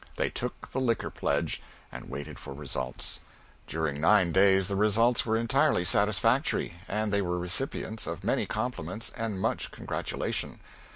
They took the liquor pledge and waited for results. During nine days the results were entirely satisfactory, and they were recipients of many compliments and much congratulation.